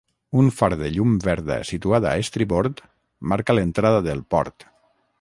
Un far de llum verda situat a estribord marca l’entrada del port.